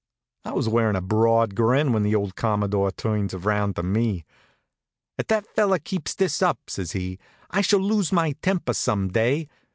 I was wearin' a broad grin when the old Commodore turns around to me. "If that fellow keeps this up," says he, "I shall lose my temper some day.